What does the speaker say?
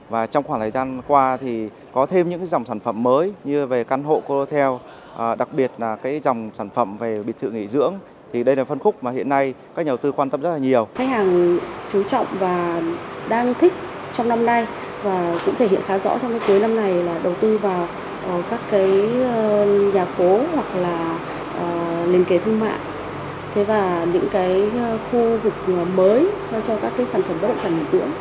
và những khu vực mới cho các sản phẩm bất động sản nghỉ dưỡng